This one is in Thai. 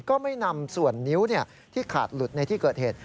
ก็ไม่นำส่วนนิ้วที่ขาดหลุดในที่เกิดเหตุ